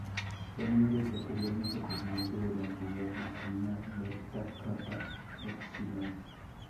Fue miembro y posteriormente presidente de la hermandad masculina Delta Kappa Epsilon.